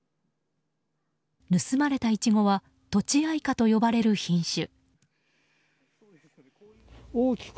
盗まれたイチゴはとちあいかと呼ばれる品種。